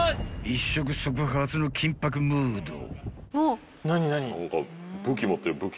［一触即発の緊迫ムード］